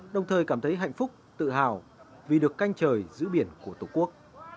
đồng thời cảm thấy hạnh phúc tự hào vì được canh trời giữ biển của tổ quốc